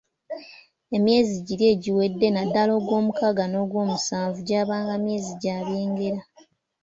Emyezi giri egiwedde naddala ogw'omukaaga n'ogwomusanvu gyabanga myezi gya byengera.